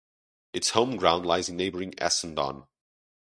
Its home ground lies in neighbouring Essendon.